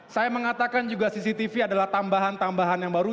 saya mengatakan juga cctv adalah tambahan tambahan yang baru